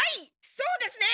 そうですね！